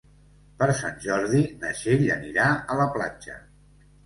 Per Sant Jordi na Txell anirà a la platja.